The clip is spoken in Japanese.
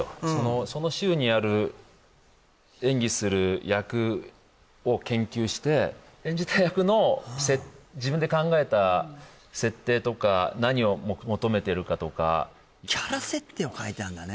その週にある演技する役を研究して演じた役の自分で考えた設定とか何を求めてるかとかキャラ設定を書いてあんだね